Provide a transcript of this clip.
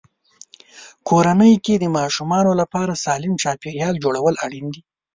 کورنۍ کې د ماشومانو لپاره سالم چاپېریال جوړول اړین دي.